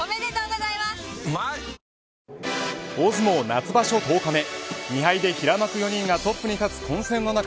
夏場所１０日目２敗で平幕４人がトップに立つ混戦の中